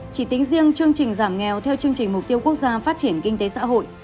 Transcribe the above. chỉ tính riêng chương trình giảm nghèo theo chương trình mục tiêu quốc gia phát triển kinh tế xã hội